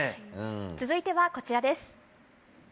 続いてはこちらです。